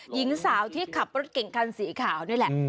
หญิงสาวที่ขับรถเก่งคันสีขาวนี่แหละ